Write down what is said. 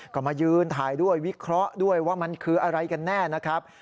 ก็มายืนถ่ายด้วยวิเคราะห์ด้วยว่ามันคืออะไรกันแน่นะครับ